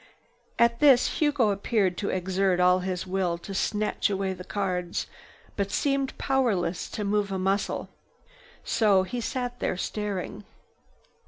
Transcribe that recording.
At this Hugo appeared to exert all his will to snatch away the cards, but seemed powerless to move a muscle. So he sat there staring.